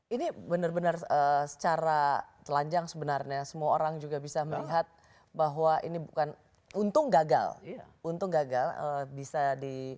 ini benar benar secara telanjang sebenarnya semua orang juga bisa melihat bahwa ini bukan untung gagal untung gagal bisa di